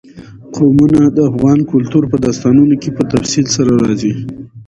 قومونه د افغان کلتور په داستانونو کې په تفصیل سره راځي.